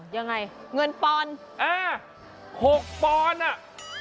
ยังไงเงินปอนด์อ่าหกปอนด์อ่ะ